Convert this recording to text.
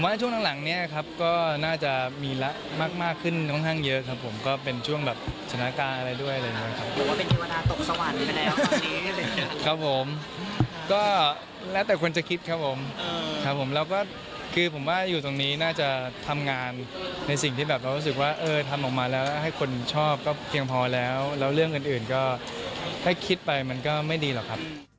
ช่วงหลังเนี่ยครับก็น่าจะมีละมากขึ้นค่อนข้างเยอะครับผมก็เป็นช่วงแบบสถานการณ์อะไรด้วยอะไรอย่างนี้ครับผมก็แล้วแต่คนจะคิดครับผมครับผมแล้วก็คือผมว่าอยู่ตรงนี้น่าจะทำงานในสิ่งที่แบบเรารู้สึกว่าเออทำออกมาแล้วให้คนชอบก็เพียงพอแล้วแล้วเรื่องอื่นอื่นก็ถ้าคิดไปมันก็ไม่ดีหรอกครับ